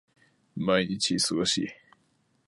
毎日忙しい